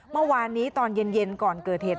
เมื่อวานนี้ตอนเย็นก่อนเกิดเหตุ